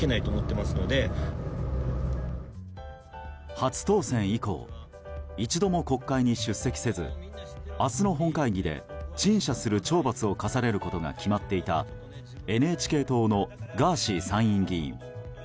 初当選以降一度も国会に出席せず明日の本会議で、陳謝する懲罰を科されることが決まっていたＮＨＫ党のガーシー参院議員。